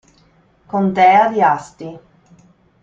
Contea di Asti